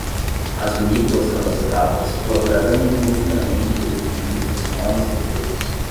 As vinícolas cadastradas colaborarão no monitoramento do cumprimento das normas anteriores.